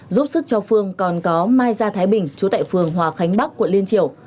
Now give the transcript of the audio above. giúp sức cho phương còn có mai gia thái bình chú tại phường hòa khánh bắc